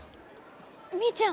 みーちゃん